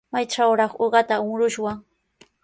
¿Maytrawraq uqata murushwan?